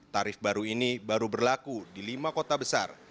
tarif baru ini baru berlaku di lima kota besar